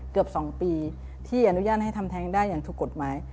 เกือบ๒ปีที่อนุญาตให้ทำแท้งได้อย่างถูกกฎหมาย